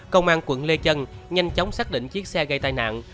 công an quận lê trân nhanh chóng xác định chiếc xe gây tai nạn